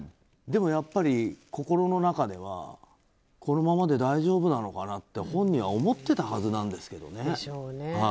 やっぱり心の中ではこのままで大丈夫なのかなって本人は思ってたはずなんですけどね。でしょうね。